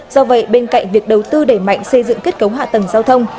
do vậy bên cạnh việc đầu tư đẩy mạnh xây dựng kết cấu hạ tầng giao thông